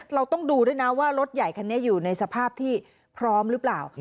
เราต้องดูด้วยนะว่ารถใหญ่คันนี้อยู่ในสภาพที่พร้อมหรือเปล่า